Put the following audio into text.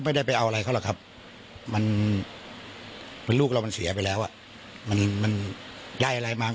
ในอุปกรณาที่เป็นการรู้เรื่องเรงกาศโลชี